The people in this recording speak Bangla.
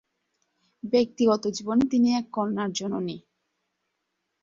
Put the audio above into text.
ব্যক্তিগত জীবনে তিনি এক কন্যার জননী।